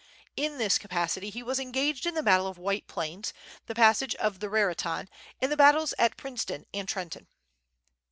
In this capacity he was engaged in the battle of White Plains, the passage of the Raritan, and the battles at Princeton and Trenton.